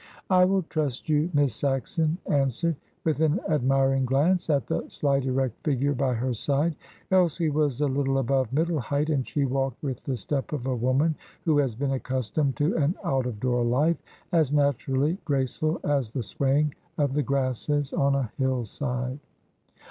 "I will trust you," Miss Saxon answered, with an admiring glance at the slight erect figure by her side. Elsie was a little above middle height, and she walked with the step of a woman who has been accustomed to an out of door life, as naturally graceful as the swaying of the grasses on a hillside.